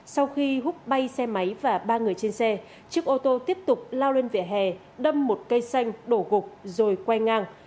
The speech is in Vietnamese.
sau khi hút bay xe máy và ba người trên xe chiếc ô tô tiếp tục lao lên vỉa hè đâm một cây xanh đổ gục rồi quay ngang